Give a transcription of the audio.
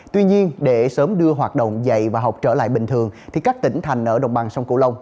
tuy nhiên để sớm đưa hoạt động dạy và học trở lại bình thường thì các tỉnh thành ở đồng bằng sông cửu long